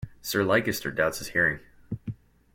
Sir Leicester doubts his hearing.